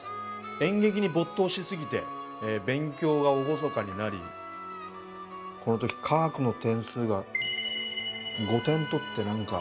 演劇に没頭しすぎて勉強がおろそかになりこの時化学の点数が５点取って何か。